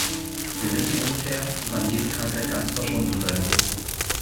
Wir wissen ungefähr, wann diese Krankheit ganz verschwunden sein wird.